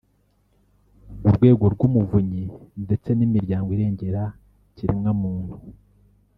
Urwego rw’Umuvunyi ndetse n’imiryango irengera kiremwa muntu